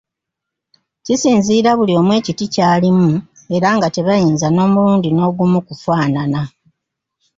Kisinziira buli omu ekiti kyalimu era nga tebayinza nomulundi nogumu kufaanana.